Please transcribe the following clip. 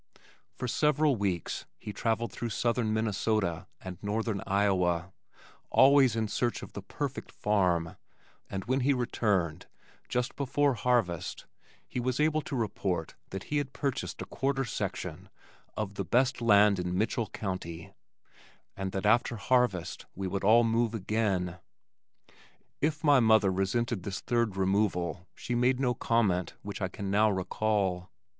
For several weeks he travelled through southern Minnesota and northern Iowa, always in search of the perfect farm, and when he returned, just before harvest, he was able to report that he had purchased a quarter section of "the best land in Mitchell County" and that after harvest we would all move again. If my mother resented this third removal she made no comment which I can now recall.